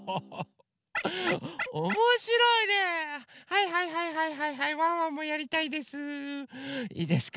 はいはいはいはいはいはいワンワンもやりたいです。